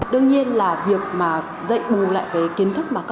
đương nhiên là việc dạy bù lại kiến thức